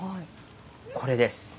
これです。